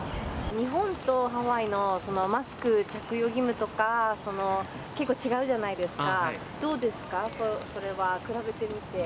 日本とハワイのマスク着用義務とか、結構違うじゃないですか、どうですか、それは、比べてみて。